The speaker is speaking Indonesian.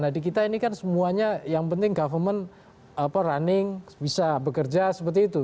nah di kita ini kan semuanya yang penting government running bisa bekerja seperti itu